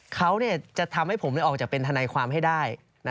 เขาจะทำให้ผมออกจากเป็นทนายความให้ได้